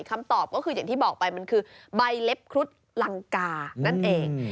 คำตอบก็คืออย่างที่บอกไปมันคือใบเล็บครุฑลังกานั่นเอง